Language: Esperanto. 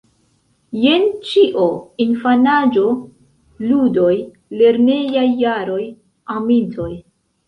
Jen ĉio: infanaĝo, ludoj, lernejaj jaroj, amintoj.